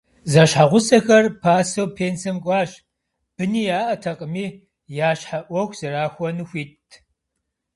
Зэщхьэгъусэхэр пасэу пенсэм кӏуащ, быни яӏэтэкъыми, я щхьэ ӏуэху зэрахуэну хуитт.